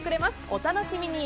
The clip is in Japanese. お楽しみに。